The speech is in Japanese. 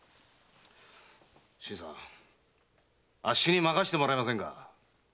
あっしに任してもらえませんか？